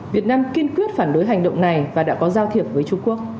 việt nam kiên quyết phản đối hành động này và đã có giao thiệp với trung quốc